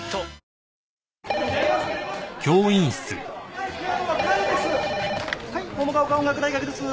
☎はい桃ヶ丘音楽大学です。